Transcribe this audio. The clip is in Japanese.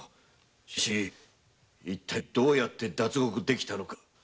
しかし一体どうやって脱獄できたのか。